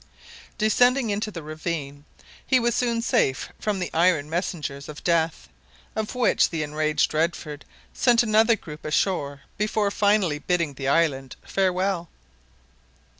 Descending into the ravine, he was soon safe from the iron messengers of death, of which the enraged Redford sent another group ashore before finally bidding the island farewell.